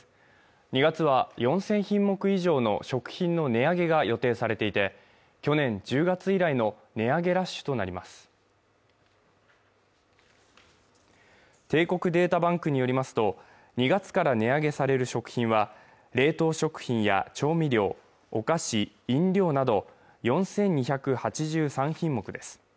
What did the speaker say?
２月は４０００品目以上の食品の値上げが予定されていて去年１０月以来の値上げラッシュとなります帝国データバンクによりますと２月から値上げされる食品は冷凍食品や調味料お菓子、飲料など４２８３品目です